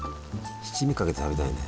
七味かけて食べたいね。